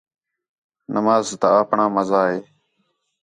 نماز تا آپݨاں مزہ ہے